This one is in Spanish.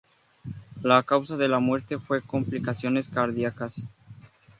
La causa de la muerte fue "complicaciones cardíacas".